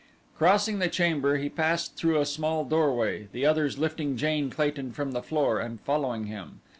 Crossing the chamber he passed through a small doorway, the others lifting Jane Clayton from the floor and following him.